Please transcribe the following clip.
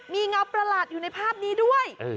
มีเงาประหลาดอยู่ในภาพนี้ด้วย